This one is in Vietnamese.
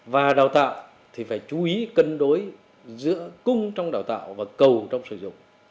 và đào tạo thì phải chú ý cân đối giữa cung trong đào tạo và cầu trong sử dụng